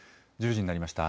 １０時になりました。